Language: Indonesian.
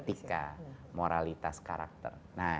etika moralitas karakter